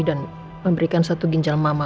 dan memberikan satu ginjal mama